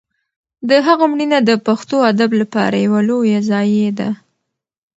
د هغه مړینه د پښتو ادب لپاره یوه لویه ضایعه ده.